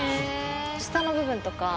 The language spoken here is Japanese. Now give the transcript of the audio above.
舌の部分とか。